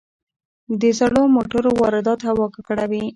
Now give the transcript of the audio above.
د زړو موټرو واردات هوا ککړوي.